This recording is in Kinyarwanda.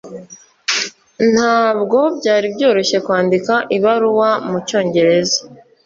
Ntabwo byari byoroshye kwandika ibaruwa mucyongereza.